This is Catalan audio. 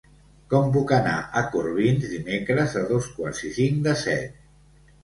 Com puc anar a Corbins dimecres a dos quarts i cinc de set?